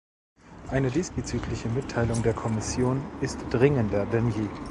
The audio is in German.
Eine diesbezügliche Mitteilung der Kommission ist dringender denn je.